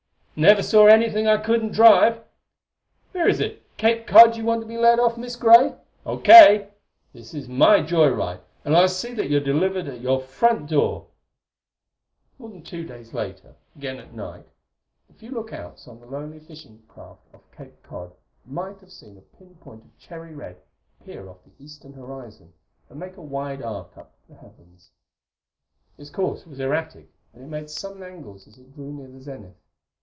"Never saw anything yet I couldn't drive. Where is it Cape Cod, you want to be let off, Miss Gray?... O. K. This is my joy ride, and I'll see that you're delivered at your front door." More than two days later, again at night, the few look outs on the lonely fishing craft off Cape Cod might have seen a pinpoint of cherry red appear off the eastern horizon and make a wide arc up the heavens. Its course was erratic, and it made sudden angles as it drew near the zenith.